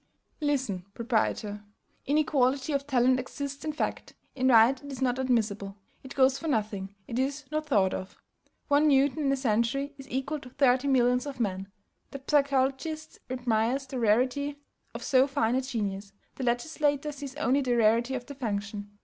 Listen, proprietor. Inequality of talent exists in fact; in right it is not admissible, it goes for nothing, it is not thought of. One Newton in a century is equal to thirty millions of men; the psychologist admires the rarity of so fine a genius, the legislator sees only the rarity of the function.